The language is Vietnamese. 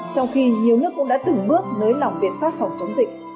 trong khi nhiều nước cũng đã từng bước nới lỏng biện pháp phòng chống dịch